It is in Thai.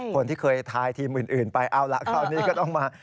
คนที่เคยทายทีมอื่นไปเอาล่ะคราวนี้ก็ต้องมา